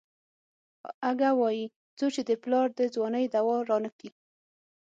اگه وايي څو چې دې پلار د ځوانۍ دوا رانکي.